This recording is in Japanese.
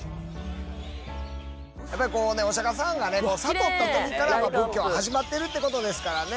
やっぱりこうねお釈迦さんが悟った時から仏教は始まってるってことですからね。